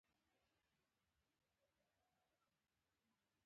د دوو سترو ځمکنیو لټانو فسیل تر درې مترو اوږده وو.